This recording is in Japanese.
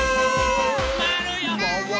まわるよ。